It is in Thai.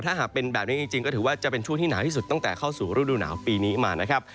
ถ้าหากเป็นแบบนี้จริงก็ถือว่าจะเป็นช่วงที่หนาวที่สุดตั้งแต่เข้าสู่ฤดูหนาวปีนี้มานะครับ